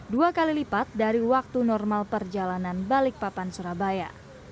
dua kali lipat dari waktu normal perjalanan balikpapan surabaya